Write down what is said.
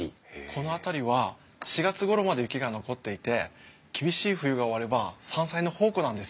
この辺りは４月ごろまで雪が残っていて厳しい冬が終われば山菜の宝庫なんですよ。